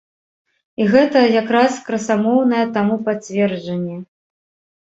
І гэта якраз красамоўнае таму пацверджанне.